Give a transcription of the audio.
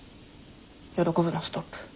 喜ぶのストップ。